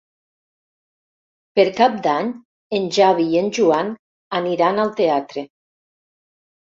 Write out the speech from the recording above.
Per Cap d'Any en Xavi i en Joan aniran al teatre.